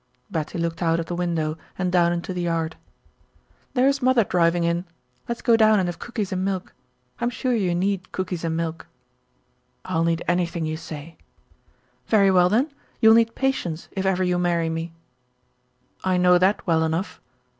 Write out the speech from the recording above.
Betty looked out of the window and down into the yard. "There is mother driving in. Let's go down and have cookies and milk. I'm sure you need cookies and milk." "I'll need anything you say." "Very well, then, you'll need patience if ever you marry me." "I know that well enough.